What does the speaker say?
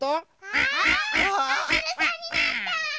ああひるさんになった！